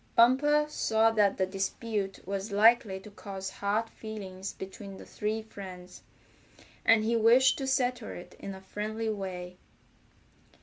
Bumper saw that the dispute was likely to cause hard feeling between the three friends, and he wished to settle it in a friendly way.